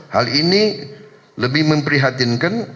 hal ini lebih memprihatinkan